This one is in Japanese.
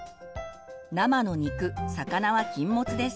生の肉魚は禁物です。